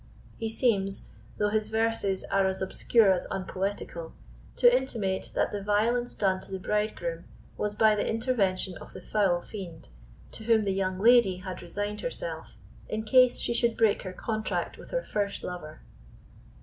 He seems, though his verses are as obscure as unpoetical, to intimate that the violence done to the bridegroom was by the intervention of the foul fiend, to whom the young lady had resigned herself, in case she should break her contract with her first lover.